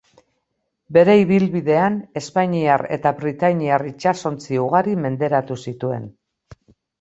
Bere ibilbidean espainiar eta britainiar itsasontzi ugari menderatu zituen.